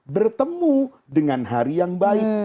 bertemu dengan hari yang baik